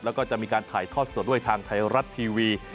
แล้วก็จะมีการถ่ายทอดสดด้วยทางไทยรัฐทีวี